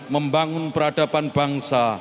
membangun peradaban bangsa